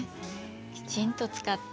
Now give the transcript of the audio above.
きちんと使って。